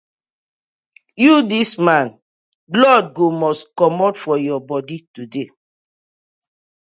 Yu dis man, blood go must komot for yah bodi today.